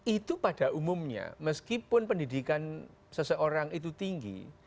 itu pada umumnya meskipun pendidikan seseorang itu tinggi